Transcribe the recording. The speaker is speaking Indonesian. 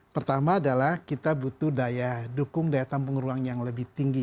pertama adalah kita butuh daya dukung daya tampung ruang yang lebih tinggi